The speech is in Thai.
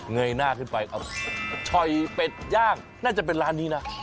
ยหน้าขึ้นไปเอาช่อยเป็ดย่างน่าจะเป็นร้านนี้นะ